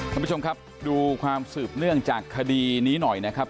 คุณผู้ชมครับดูความสืบเนื่องจากคดีนี้หน่อยนะครับ